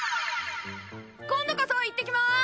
今度こそいってきます！